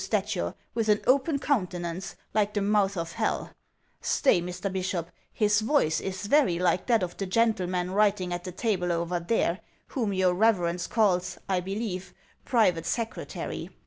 siai are, with an open countenance, like the mouth of hell Stay, Mr Bishop ; his voice is very like that of the gentle man writing at the table over there, whom your reverence calls, I believe, ' private secretary.'